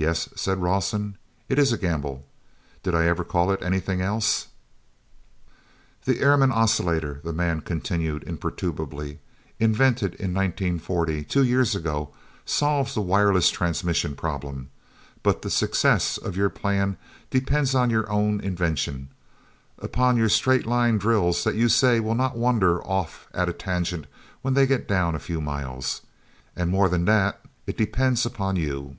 "Yes," said Rawson, "it is a gamble. Did I ever call it anything else?" "The Ehrmann oscillator," the man continued imperturbably, "invented in 1940, two years ago, solves the wireless transmission problem, but the success of your plan depends upon your own invention—upon your straight line drills that you say will not wander off at a tangent when they get down a few miles. And more than that, it depends upon you.